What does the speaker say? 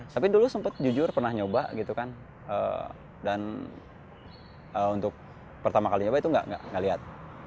tapi dulu sempat jujur pernah nyoba gitu kan dan untuk pertama kali nyoba itu nggak lihat